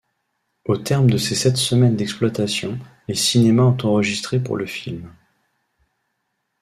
Au terme de ses sept semaines d'exploitation, les cinémas ont enregistré pour le film.